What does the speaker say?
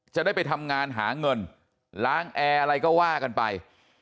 จะได้ไปทำงานหาเงินล้างแอร์อะไรก็ว่ากันไป